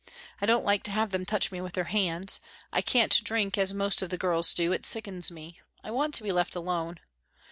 I don't like to have them touch me with their hands. I can't drink as most of the girls do; it sickens me. I want to be left alone.